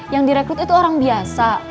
yang direkrut itu orang biasa